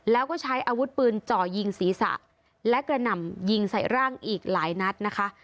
แล้วก็ใช้อาวุธปืนจ่อยิงศีรษะและกระหน่ำยิงใส่ร่างอีกหลายนัดนะคะ